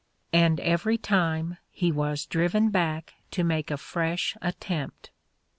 And every time he was driven back to make a fresh attempt.